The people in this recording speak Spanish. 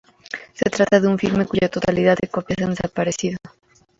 Se trata de un filme cuya totalidad de copias han desaparecido.